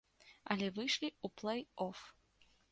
Але выйшлі ў плэй-оф.